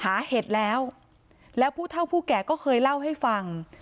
เห็ดแล้วแล้วผู้เท่าผู้แก่ก็เคยเล่าให้ฟัง